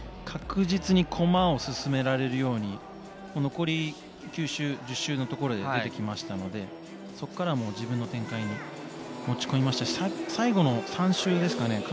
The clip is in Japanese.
確実に駒を進められるように残り９周、１０周のところで出てきましたのでそこからは自分の展開に持ち込みましたし最後の３周ですかね